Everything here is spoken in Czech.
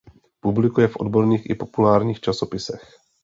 Publikuje v odborných i populárních časopisech.